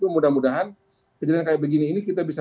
mudah mudahan kejadian kayak begini ini kita bisa